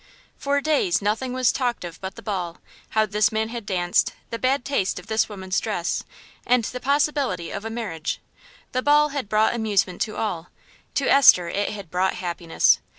XI For days nothing was talked of but the ball how this man had danced, the bad taste of this woman's dress, and the possibility of a marriage. The ball had brought amusement to all, to Esther it had brought happiness.